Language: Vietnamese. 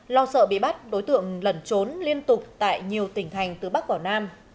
lo sợ bị bắt đối tượng lẩn trốn liên tục tại nhiều tỉnh thành từ bắc vào nam